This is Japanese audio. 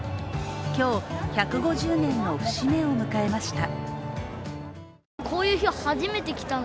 今日、１５０年の節目を迎えました。